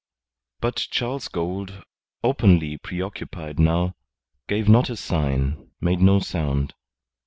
But Charles Gould, openly preoccupied now, gave not a sign, made no sound.